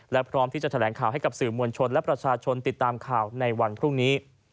และพร้อมที่จะแถลงข่าวให้กับสื่อมวลชนและประชาชนติดตามข่าวในวันพรุ่งนี้